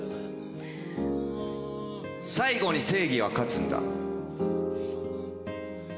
最後に正義は勝つんだ。